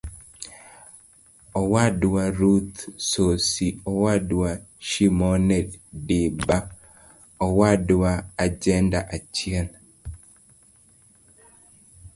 Owadwa Ruth Sosi Owadwa Shimone Diba Owadwa Ajenda-achiel.